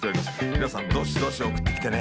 みなさんどしどし送ってきてね。